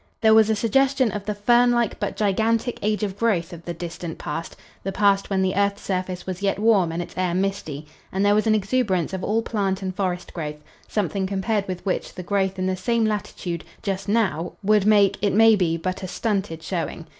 There was a suggestion of the fernlike but gigantic age of growth of the distant past, the past when the earth's surface was yet warm and its air misty, and there was an exuberance of all plant and forest growth, something compared with which the growth in the same latitude, just now, would make, it may be, but a stunted showing.